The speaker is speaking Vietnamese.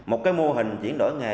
một cái mô hình chuyển đổi nghề